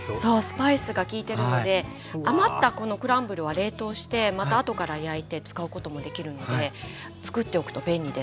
スパイスがきいてるので余ったこのクランブルは冷凍してまたあとから焼いて使うこともできるのでつくっておくと便利です。